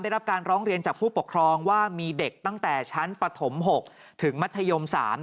ได้รับการร้องเรียนจากผู้ปกครองว่ามีเด็กตั้งแต่ชั้นปฐม๖ถึงมัธยม๓